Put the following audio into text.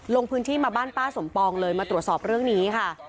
ลงพื้นที่มาบ้านป้าสมปองเลยมาตรวจสอบเรื่องนี้ค่ะ